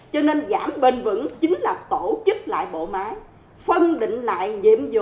cho nên giảm bền vững chính là tổ chức lại bộ máy phân định lại nhiệm vụ